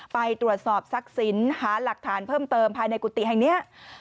ไปตรวจสอบทรัพย์สินหาหลักฐานเพิ่มเติมภายในกุฏิแห่งนี้